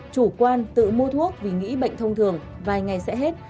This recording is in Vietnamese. chủ quan tự mua thuốc vì nghĩ bệnh thông thường vài ngày sẽ hết